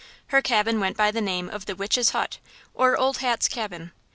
Her cabin went by the name of the Witch's Hut, or Old Hat's Cabin.